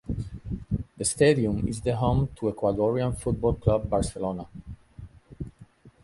The stadium is the home to Ecuadorian football club Barcelona.